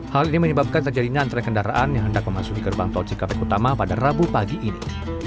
hal ini menyebabkan terjadinya antre kendaraan yang hendak memasuki gerbang tol cikampek utama pada rabu pagi ini